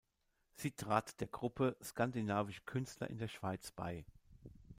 Sie trat der Gruppe "Skandinavische Künstler in der Schweiz" bei.